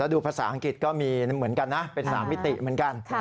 ดูภาษาอังกฤษก็มีเหมือนกันนะเป็น๓มิติเหมือนกัน